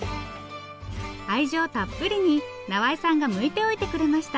愛情たっぷりに縄井さんがむいておいてくれました。